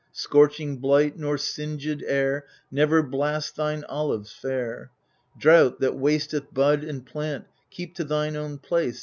— Scorching blight nor singM air ^ Never blast thine olives fair 1 Drouth, that wasteth bud and plant, Keep to thine own place.